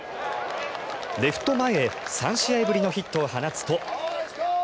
レフト前へ３試合ぶりのヒットを放つと。